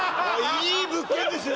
いい物件ですね